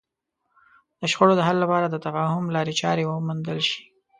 د شخړو د حل لپاره د تفاهم لارې چارې وموندل شي.